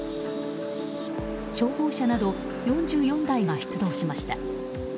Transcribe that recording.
消防車など４４台が出動しました。